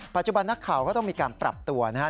นักข่าวก็ต้องมีการปรับตัวนะครับ